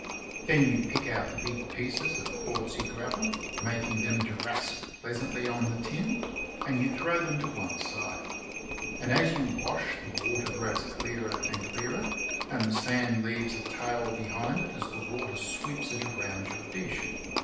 Then you pick out the big pieces of quartzy gravel, mak ing them to rasp pleasantly on the tin, and you throw them to one side. And as you wash, the water grows clearer and clearer, and the sand leaves a tail behind it as the water sweeps it round your dish.